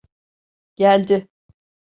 Geldi.